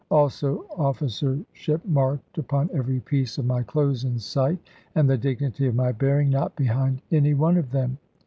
also officership marked upon every piece of my clothes in sight; and the dignity of my bearing not behind any one of them.